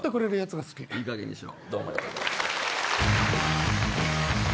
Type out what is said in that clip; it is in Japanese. いいかげんにしろ。